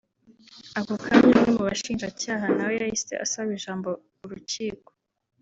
Ako kanya umwe mu bashinjacya nawe yahise asaba ijambo Urukiko